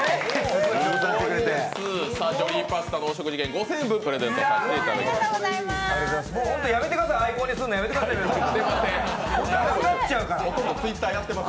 ジョリーパスタのお食事券５０００円分をプレゼントさせていただきます。